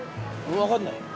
わかんない。